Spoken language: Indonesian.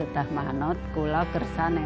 saya akan berjati